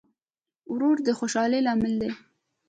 ورور د خوشحالۍ لامل دی.